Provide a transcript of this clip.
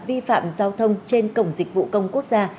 vi phạm giao thông trên cổng dịch vụ công quốc gia